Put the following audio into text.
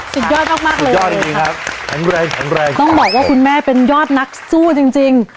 สุดยอดมากเลยยอดดีครับแข็งแรงแข็งแรงต้องบอกว่าคุณแม่เป็นยอดนักสู้จริงจริง